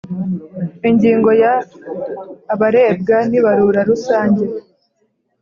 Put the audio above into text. Ingingo ya Abarebwa n Ibarura Rusange